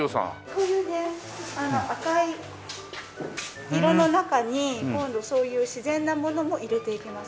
こういうね赤い色の中に今度そういう自然なものも入れていきます。